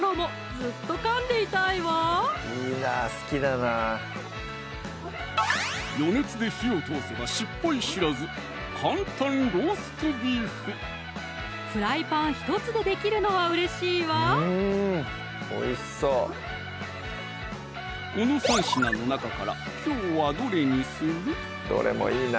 ずっとかんでいたいわ余熱で火を通せば失敗知らずフライパン１つでできるのはうれしいわこの３品の中からきょうはどれにする？